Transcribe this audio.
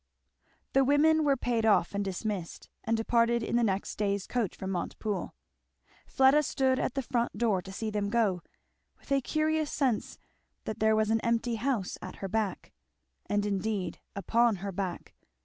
The women were paid off and dismissed and departed in the next day's coach from Montepoole. Fleda stood at the front door to see them go, with a curious sense that there was an empty house at her back, and indeed upon her back.